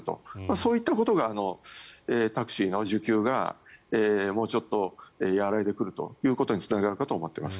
そういったことがタクシーの需給がもうちょっと和らいでくるということにつながってくると思います。